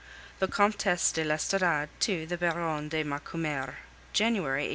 THE COMTESSE DE L'ESTORADE TO THE BARONNE DE MACUMER January 1827.